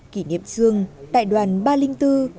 kỷ niệm chương đại đoàn ba trăm linh bốn